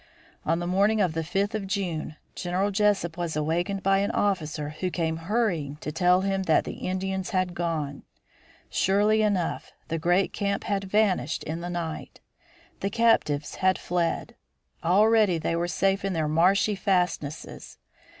On the morning of the fifth of June, General Jesup was awakened by an officer who came hurrying to tell him that the Indians had gone. Surely enough the great camp had vanished in the night. The captives had fled. Already they were safe in their marshy fastnesses.